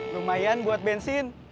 lumayan buat bensin